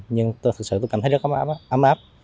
nhưng thực sự tôi cảm thấy rất ấm áp